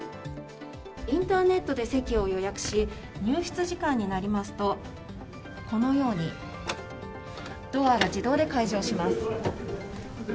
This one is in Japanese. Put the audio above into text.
インターネットで席を予約し入室時間になりますと、ドアが自動で解錠します。